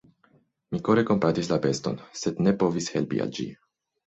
Mi kore kompatis la beston, sed ne povis helpi al ĝi.